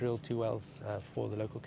untuk kota kota lokal